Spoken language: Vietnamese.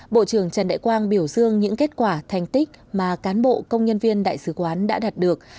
bộ trưởng trần đại quang biểu dương những kết quả thành tích mà cán bộ công nhân viên đại sứ quán đã đạt được